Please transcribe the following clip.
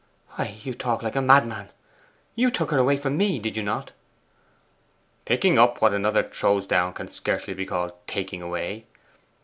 'Why, you talk like a madman! You took her away from me, did you not?' 'Picking up what another throws down can scarcely be called "taking away."